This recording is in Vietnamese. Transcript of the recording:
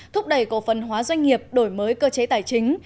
thúc đẩy cầu phân hóa doanh nghiệp đổi mới cơ chế tài chính